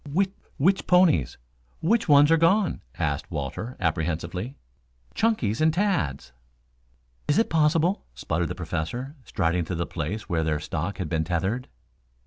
"Whi which ponies which ones are gone?" asked Walter apprehensively. "Chunky's and Tad's." "Is it possible?" sputtered the Professor, striding to the place where their stock had been tethered.